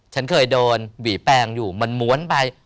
ฉันเคยโดนหวีแปลงอยู่มันม้วนไป